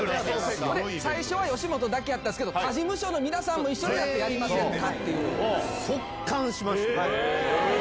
最初は吉本だけやったんですけど、他事務所の皆さんも一緒にやってやりませんかという。